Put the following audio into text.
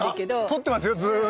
撮ってますよずぅ